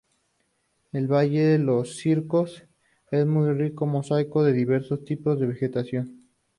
El Valle de los Cirios es un rico mosaico de diversos tipos de vegetación.